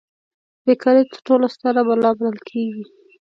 بې کاري تر ټولو ستره بلا بلل کیږي.